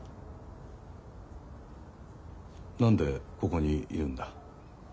何でここにいるんだ？